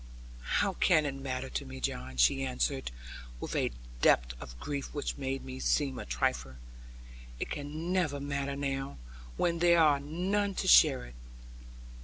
'How can it matter to me, John?' she answered, with a depth of grief which made me seem a trifler. 'It can never matter now, when there are none to share it.'